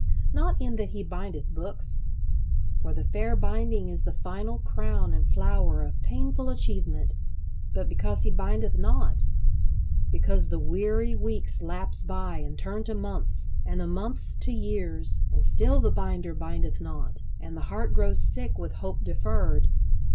Not in that he bindeth books—for the fair binding is the final crown and flower of painful achievement—but because he bindeth not: because the weary weeks lapse by and turn to months, and the months to years, and still the binder bindeth not: and the heart grows sick with hope deferred.